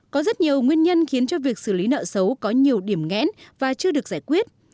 có rất nhiều nguyên nhân khiến cho việc xử lý nợ xấu có nhiều điểm nghẽn và chưa được giải quyết